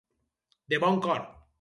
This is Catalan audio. De bon cor.